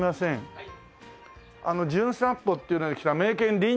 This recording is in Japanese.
はい。